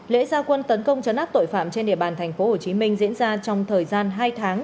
lễ gia quân tấn công chấn áp tội phạm trên địa bàn tp hcm diễn ra trong thời gian hai tháng